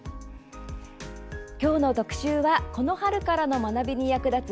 今日の特集はこの春からの学びに役立つ